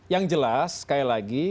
yang jelas sekali lagi